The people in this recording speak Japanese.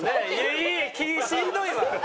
いやしんどいわ！